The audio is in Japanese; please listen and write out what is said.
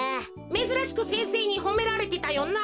めずらしく先生にほめられてたよな。